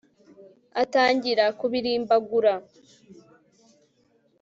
atangira kubirimbagura